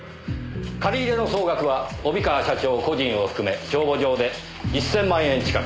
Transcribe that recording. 借り入れの総額は帯川社長個人を含め帳簿上で一千万円近く。